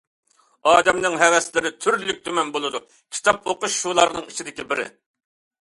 ئادەمنىڭ ھەۋەسلىرى تۈرلۈك-تۈمەن بولىدۇ، كىتاب ئوقۇش شۇلارنىڭ ئىچىدىكى بىرى.